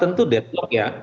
tentu deadlock ya